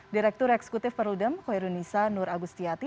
direktur eksekutif perludem koirunisa nur agustiati